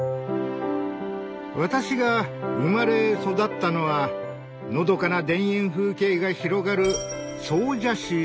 私が生まれ育ったのはのどかな田園風景が広がる